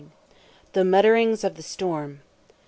THE MUTTERINGS OF THE STORM.